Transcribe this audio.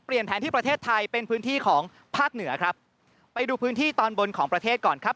แผนที่ประเทศไทยเป็นพื้นที่ของภาคเหนือครับไปดูพื้นที่ตอนบนของประเทศก่อนครับ